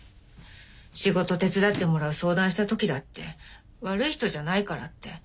仕事手伝ってもらう相談した時だって悪い人じゃないからって。